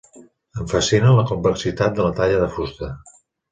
Em fascina la complexitat de la talla de fusta.